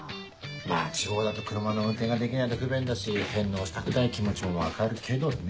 まぁ地方だと車の運転ができないと不便だし返納したくない気持ちも分かるけどね。